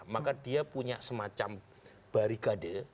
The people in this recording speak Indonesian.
maka dia punya semacam barikade